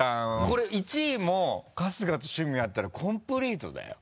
これ１位も春日と趣味合ったらコンプリートだよ。